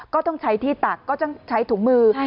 ก็ต้องใช้ที่ตักก็ต้องใช้ถุงมือ